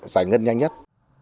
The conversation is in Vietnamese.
giải ngân nhanh nhất